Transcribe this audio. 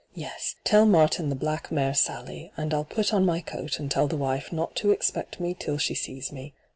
Yes ; tell Martin the black mare Sally, and I'll put on my coat and tell the wife not to expect me till she sees me.